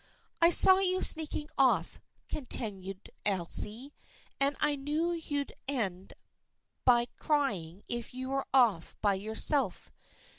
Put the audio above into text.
" I saw you sneaking off," continued Elsie, " and I knew you'd end by crying if you were off by yourself.